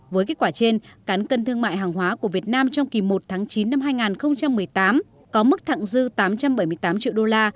với kết quả trên cán cân thương mại hàng hóa của việt nam trong kỳ một tháng chín năm hai nghìn một mươi tám có mức thẳng dư tám trăm bảy mươi tám triệu đô la